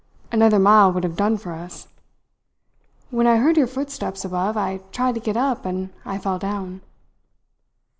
Another mile would have done for us. When I heard your footsteps, above, I tried to get up, and I fell down."